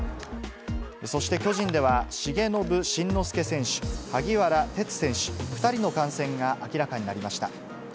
そして巨人では、重信慎之介選手、萩原哲選手、２人の感染が明らかになりました。